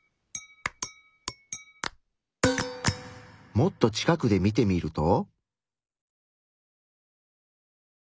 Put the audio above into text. もっと近くで見てみると？